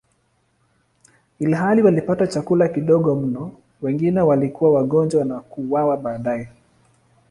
Ilhali walipata chakula kidogo mno, wengi walikuwa wagonjwa na kuuawa baadaye.